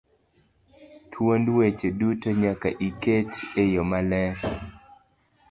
thuond weche duto nyaka iket eyo maler